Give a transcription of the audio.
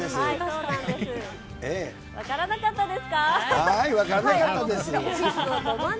分からなかったです。